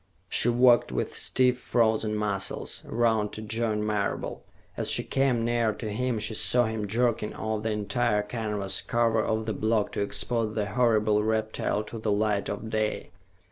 She walked, with stiff, frozen muscles, around to join Marable. As she came near to him, she saw him jerking off the entire canvas cover of the block to expose the horrible reptile to the light of day.